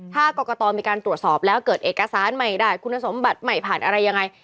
ถ้ากรกตมีการตรวจสอบแล้วเกิดเอกสารใหม่ได้คุณสมบัติใหม่ผ่านอะไรยังไง